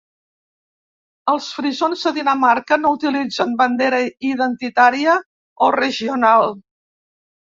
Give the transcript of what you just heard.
Els frisons de Dinamarca no utilitzen bandera identitària o regional.